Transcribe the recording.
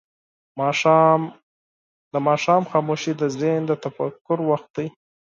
د ماښام خاموشي د ذهن د تفکر وخت دی.